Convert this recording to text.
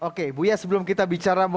oke buya sebelum kita bicarakan kita ini